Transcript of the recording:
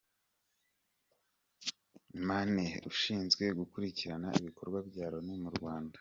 manneh, ushinzwe gukurikirana ibikorwa bya Loni mu Rwanda.